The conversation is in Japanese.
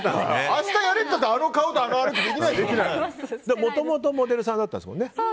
明日やれって言ったってあの顔ともともとモデルさんだったんですよね。